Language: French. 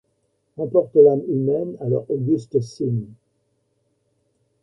Emporte l'âme humaine à leurs augustes cimes.